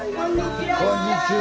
こんにちは。